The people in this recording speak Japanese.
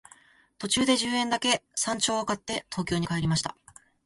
途中で十円だけ山鳥を買って東京に帰りました